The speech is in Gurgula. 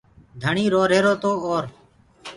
ڌڻيٚ روهيرو تو اور